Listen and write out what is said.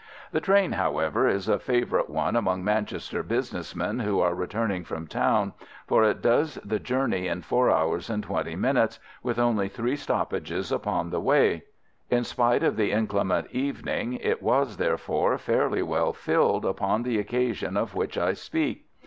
The train, however, is a favourite one among Manchester business men who are returning from town, for it does the journey in four hours and twenty minutes, with only three stoppages upon the way. In spite of the inclement evening it was, therefore, fairly well filled upon the occasion of which I speak.